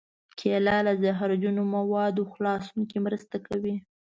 کېله له زهرجنو موادو خلاصون کې مرسته کوي.